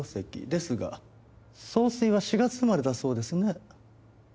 ですが総帥は４月生まれだそうですね。